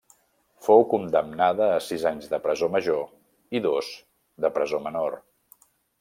Fou condemnada a sis anys de presó major i dos de presó menor.